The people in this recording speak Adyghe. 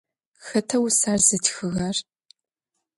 Xeta vuser zıtxığer?